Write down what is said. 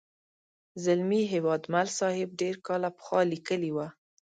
زلمي هیوادمل صاحب ډېر کاله پخوا لیکلې وه.